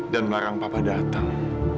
dan melarang papa datang